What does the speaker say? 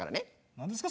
何ですか？